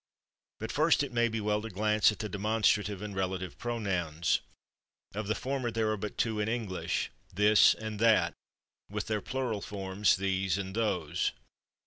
But first it may be well to glance at the demonstrative and relative pronouns. Of the former there [Pg216] are but two in English, /this/ and /that/, with their plural forms, /these/ and /those